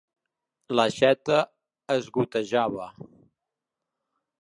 L'aixeta es gotejava.